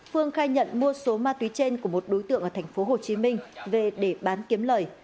phương khai nhận mua số ma túy trên của một đối tượng ở tp hồ chí minh về để bán kiếm lời